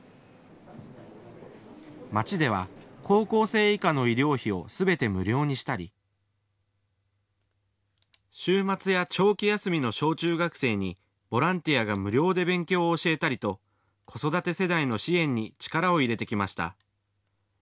町では高校生以下の医療費をすべて無料にしたり週末や長期休みの小中学生にボランティアが無料で勉強を教えたりと子育て世代の支援に力を入れてきました。